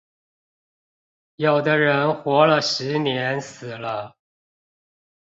有的人活了十年死了